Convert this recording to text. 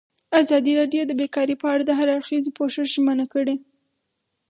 ازادي راډیو د بیکاري په اړه د هر اړخیز پوښښ ژمنه کړې.